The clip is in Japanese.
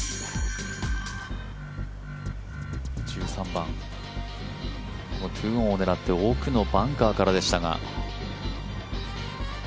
１３番、２オンを狙って奥のバンカーからでしたが。